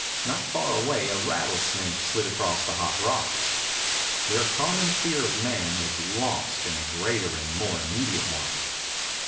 Not far away a rattlesnake slid across the hot rocks. Their common fear of man was lost in a greater and more immediate one.